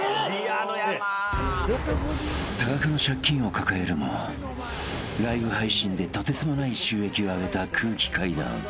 ［多額の借金を抱えるもライブ配信でとてつもない収益を上げた空気階段］